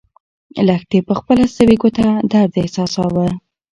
لښتې په خپله سوې ګوته درد احساساوه.